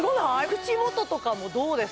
口元とかもどうですか？